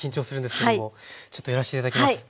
ちょっとやらせて頂きます。